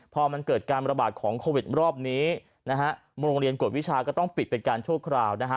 พอมันเกิดการระบาดของโควิดรอบนี้นะฮะโรงเรียนกวดวิชาก็ต้องปิดเป็นการชั่วคราวนะฮะ